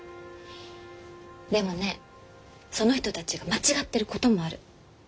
でもねその人たちが間違ってることもある。